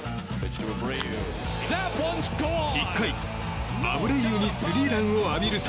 １回、アブレイユにスリーランを浴びると。